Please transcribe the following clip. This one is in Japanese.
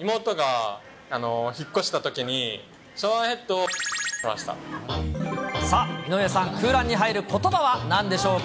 妹が引っ越したときに、さあ、井上さん、空欄に入ることばはなんでしょうか？